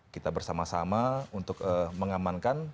kita bersama sama untuk mengamankan